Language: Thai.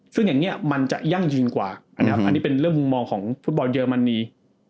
ซึ่งอย่างนี้มันจะยั่งยืนกว่าอันนี้เป็นเรื่องมุมมองของฟุตบอลเยอรมนี